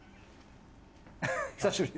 久しぶり。